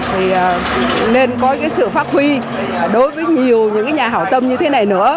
thì nên có cái sự phát huy đối với nhiều những cái nhà hào tâm như thế này nữa